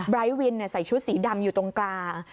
วินใส่ชุดสีดำอยู่ตรงกลาง